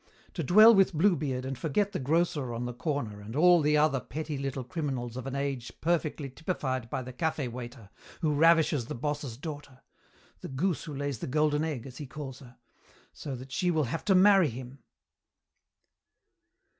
To dwell with Bluebeard and forget the grocer on the corner and all the other petty little criminals of an age perfectly typified by the café waiter who ravishes the boss's daughter the goose who lays the golden egg, as he calls her so that she will have to marry him!"